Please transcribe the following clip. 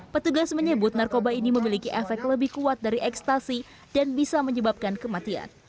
petugas menyebut narkoba ini memiliki efek lebih kuat dari ekstasi dan bisa menyebabkan kematian